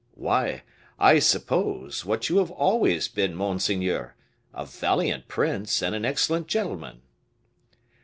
"Why, I suppose, what you have always been, monseigneur, a valiant prince, and an excellent gentleman."